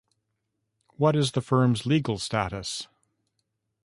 What is the firm's legal status?